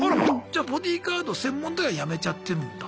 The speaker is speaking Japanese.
じゃボディーガード専門では辞めちゃってるんだ。